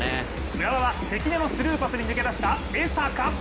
浦和は関根のスルーパスに抜け出した江坂！